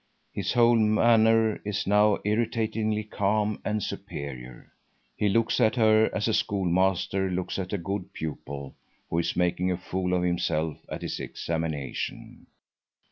His whole manner is now irritatingly calm and superior. He looks at her as a schoolmaster looks at a good pupil who is making a fool of himself at his examination.